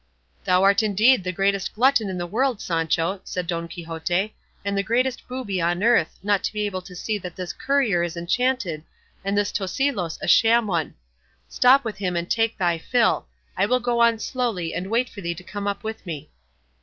"Thou art indeed the greatest glutton in the world, Sancho," said Don Quixote, "and the greatest booby on earth, not to be able to see that this courier is enchanted and this Tosilos a sham one; stop with him and take thy fill; I will go on slowly and wait for thee to come up with me."